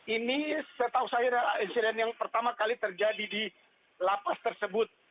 ini setahu saya adalah insiden yang pertama kali terjadi di lapas tersebut